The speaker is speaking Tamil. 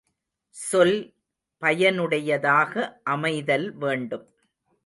சொல், பயனுடையதாக அமைதல் வேண்டும்.